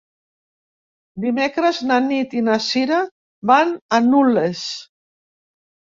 Dimecres na Nit i na Cira van a Nulles.